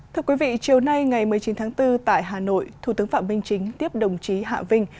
thưa quý vị chiều nay ngày một mươi chín tháng bốn tại hà nội thủ tướng phạm minh chính tiếp đồng chí hạ vinh